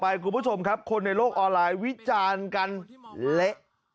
คุณผู้ชมครับคนในโลกออนไลน์วิจารณ์กันเละ